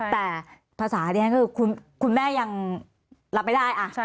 แต่ภาษาที่ฉันคือคุณแม่ยังรับไม่ได้